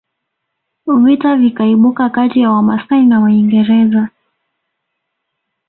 Vita vikaibuka kati ya Wamasai na Waingereza